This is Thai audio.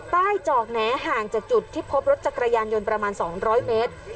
จอกแหนห่างจากจุดที่พบรถจักรยานยนต์ประมาณ๒๐๐เมตร